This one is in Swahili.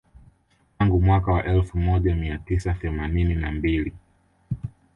Tangu mwaka wa elfu moja mia tisa themanini na mbili